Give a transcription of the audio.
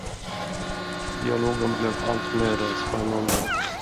Dialogen blev alltmera spännande.